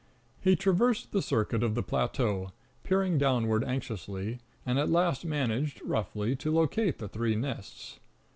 He traversed the circuit of the plateau, peering downward anxiously, and at last managed roughly to locate the three nests.